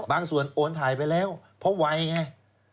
บางส่วนโอนถ่ายไปแล้วเพราะไว้ไง